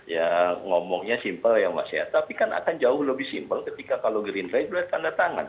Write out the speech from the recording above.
ya ngomongnya simpel ya mas ya tapi kan akan jauh lebih simpel ketika kalau gerindra itu melihat tanda tangan